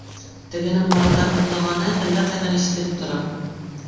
Тегенең мырылдап йоҡлағаны әллә ҡайҙан ишетелеп тора.